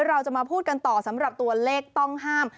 เราจะมาพูดกันต่อสำหรับตัวเลขต้องห้าม